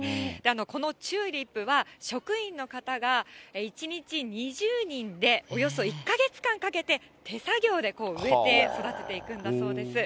このチューリップは、職員の方が１日２０人で、およそ１か月間かけて手作業で植えて育てていくんだそうです。